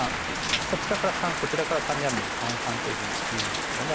こちらから３こちらから３にあるので「三々」というふうにいうんですけども。